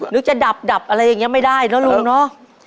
หรือจะดับอะไรอย่างนี้ไม่ได้นะลุงเนาะ